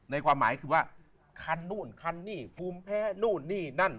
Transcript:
ความหมายคือว่าคันนู่นคันนี้ภูมิแพ้นู่นนี่นั่น